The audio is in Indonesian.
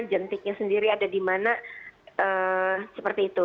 jentiknya sendiri ada di mana seperti itu